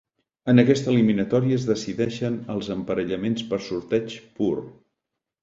En aquesta eliminatòria es decideixen en emparellaments per sorteig pur.